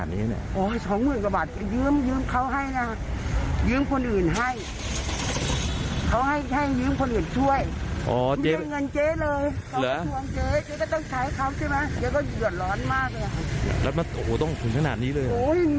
อะไรต่อเนี่ย